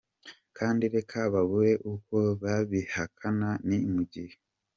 Kandi reka babure uko babihakana ni mu gihe.